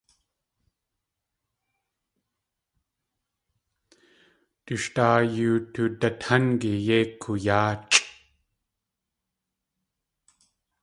Du sh daa yoo tudatángi yéi kooyáachʼ.